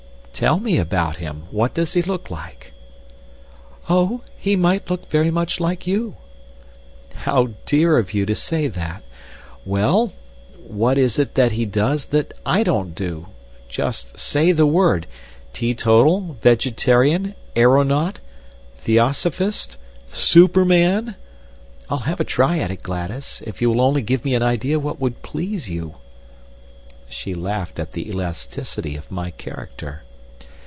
"Tell me about him. What does he look like?" "Oh, he might look very much like you." "How dear of you to say that! Well, what is it that he does that I don't do? Just say the word, teetotal, vegetarian, aeronaut, theosophist, superman. I'll have a try at it, Gladys, if you will only give me an idea what would please you." She laughed at the elasticity of my character.